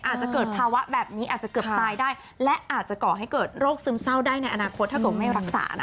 อาจจะเกิดภาวะแบบนี้อาจจะเกือบตายได้และอาจจะก่อให้เกิดโรคซึมเศร้าได้ในอนาคตถ้าเกิดไม่รักษานะคะ